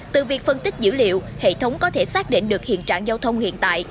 từ việc phân tích dữ liệu hệ thống có thể xác định được hiện trạng giao thông hiện tại